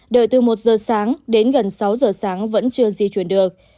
đợi từ một giờ sáng đến gần sáu giờ sáng vẫn chưa di chuyển được